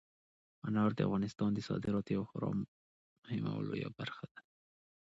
انار د افغانستان د صادراتو یوه خورا مهمه او لویه برخه ده.